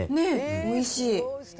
おいしい。